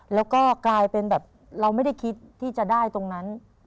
แล้วก็กลายเป็นแบบเราไม่ได้คิดที่จะได้ตรงนั้น